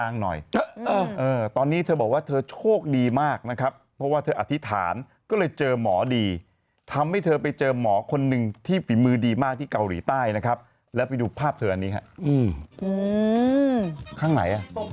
อันนี้คือข้างใหม่แล้วมั้งทั้งคู่เป้า